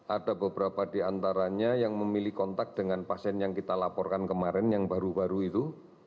ada beberapa di antaranya yang memilih kontak dengan pasien yang kita laporkan kemarin yang baru baru itu